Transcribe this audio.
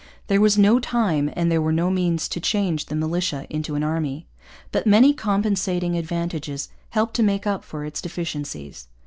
There was no time and there were no means to change the militia into an army. But many compensating advantages helped to make up for its deficiencies.